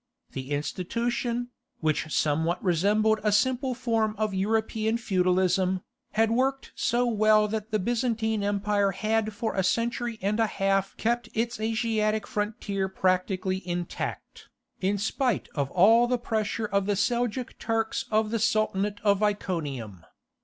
The institution, which somewhat resembled a simple form of European feudalism, had worked so well that the Byzantine Empire had for a century and a half kept its Asiatic frontier practically intact, in spite of all the pressure of the Seljouk Turks of the Sultanate of Iconium.